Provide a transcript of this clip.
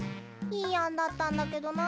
いいあんだったんだけどな。